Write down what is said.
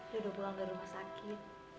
dia udah pulang dari rumah sakit